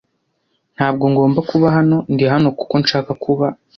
Ntabwo ngomba kuba hano. Ndi hano kuko nshaka kuba.